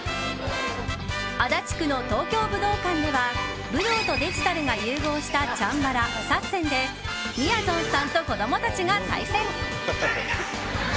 足立区の東京武道館では武道とデジタルが融合したチャンバラ、ＳＡＳＳＥＮでみやぞんさんと子供たちが対戦。